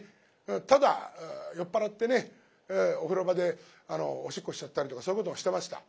ただ酔っ払ってねお風呂場でおしっこしちゃったりとかそういうこともしてました。